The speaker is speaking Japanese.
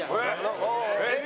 えっ？